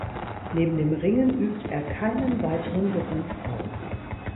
Neben dem Ringen übt er keinen weiteren Beruf aus.